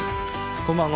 こんばんは。